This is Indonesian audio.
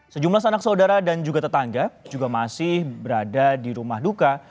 sejumlah sanak saudara dan juga tetangga juga masih berada di rumah duka